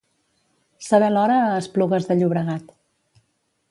Saber l'hora a Esplugues de Llobregat.